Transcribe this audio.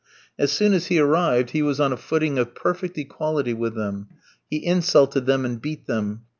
As soon as he arrived, he was on a footing of perfect equality with them. He insulted them and beat them.